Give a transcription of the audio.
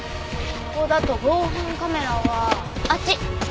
ここだと防犯カメラはあっち。